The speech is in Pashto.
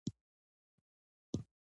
په ژبه کښي نوي لغاتونه او اصطلاحات جوړیږي.